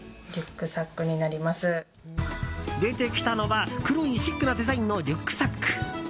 出てきたのは黒いシックなデザインのリュックサック。